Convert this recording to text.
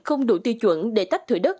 không đủ tiêu chuẩn để tách thủ đất